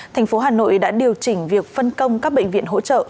thành phố hà nội đã điều chỉnh việc phân công các bệnh viện hỗ trợ